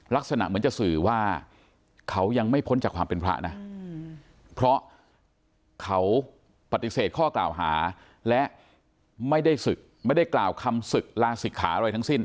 ลักษณะเหมือนจะสื่อว่าเขายังไม่พ้นจากความเป็นพระนะเพราะเขาปฏิเสธข้อกล่าวหาและไม่ได้ศึกไม่ได้กล่าวคำศึกลาศิกขาอะไรทั้งสิ้น